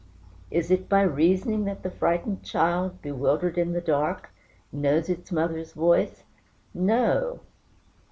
Is it by reasoning that the frightened child, bewildered in the dark, knows its mother's voice? No!